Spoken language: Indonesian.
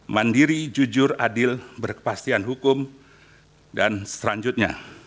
mandiri jujur adil berkepastian hukum dan selanjutnya